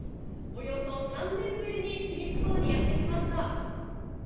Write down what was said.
およそ３年ぶりに清水港にやってきました。